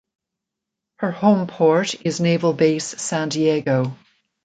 Her homeport is Naval Base San Diego.